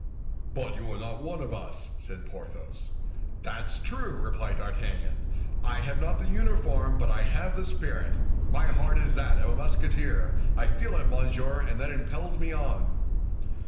"But you are not one of us," said Porthos. "That's true," replied D'Artagnan; "I have not the uniform, but I have the spirit. My heart is that of a Musketeer; I feel it, monsieur, and that impels me on."